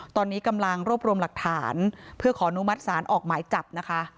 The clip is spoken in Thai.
ตอนนี้กำลังรวบรวมหลักฐานเพื่อขออนุมัติศาลออกหมายจับนะคะ